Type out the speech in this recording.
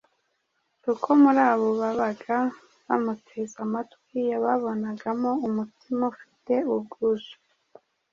kuko muri abo babaga bamuteze amatwi yababonagamo umutima ufite ubwuzu,